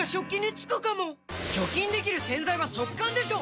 除菌できる洗剤は速乾でしょ！